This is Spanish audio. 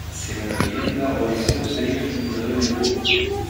Según una leyenda, Odiseo seria el fundador de Lisboa.